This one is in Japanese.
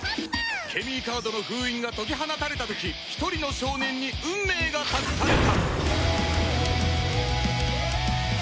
ケミーカードの封印が解き放たれた時一人の少年に運命が託された